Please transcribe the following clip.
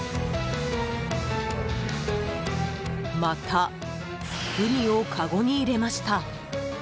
またウニをかごに入れました。